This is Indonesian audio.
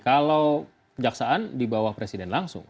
kalau kejaksaan dibawah presiden langsung